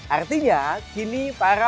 artinya kini para